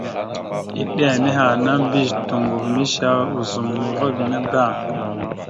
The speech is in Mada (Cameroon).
Eɗe nehe ana mbiyez toŋgov mishe ozum ava gaŋa da.